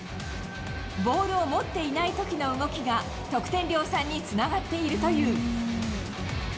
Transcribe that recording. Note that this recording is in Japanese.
ボールを持っていないときの動きが、得点量産につながっているという。